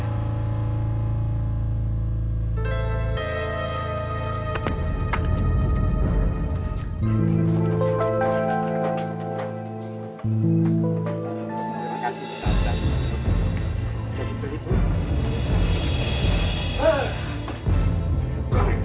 terima kasih pak ustadz